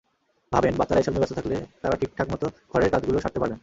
ভাবেন, বাচ্চারা এসব নিয়ে ব্যস্ত থাকলে তাঁরা ঠিকঠাকমতো ঘরের কাজগুলো সারতে পারবেন।